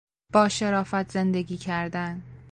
با شرافت زندگی کردن